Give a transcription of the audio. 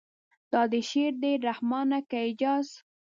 دا دې شعر دی رحمانه که اعجاز.